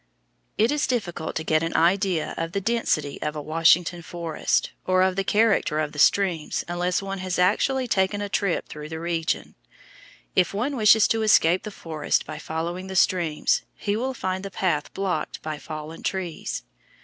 It is difficult to get an idea of the density of a Washington forest, or of the character of the streams, unless one has actually taken a trip through the region. If one wishes to escape the forest by following the streams, he will find the path blocked by fallen trees.